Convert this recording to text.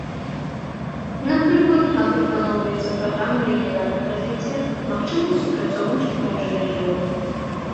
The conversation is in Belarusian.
Напрыклад, там прапаноўваюцца праграмы рэгіянальнага развіцця, магчымасць супрацоўнічаць паміж рэгіёнамі.